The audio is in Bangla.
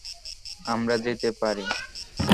আমারা যেতে পারি?